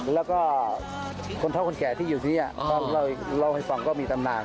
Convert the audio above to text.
แล้วก็คนเท่าคนแก่ที่อยู่นี้เราให้ส่องก็มีตำนาน